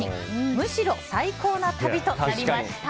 むしろ最高な旅となりました。